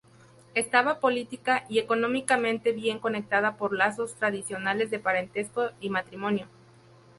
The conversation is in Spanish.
Estaba política y económicamente bien conectado por lazos tradicionales de parentesco y matrimonio.